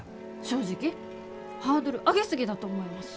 正直ハードル上げ過ぎだと思います。